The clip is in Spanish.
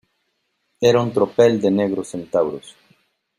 era un tropel de negros centauros.